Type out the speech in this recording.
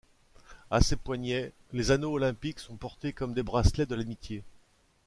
À ses poignets, les anneaux olympiques sont portés comme des bracelets de l’amitié.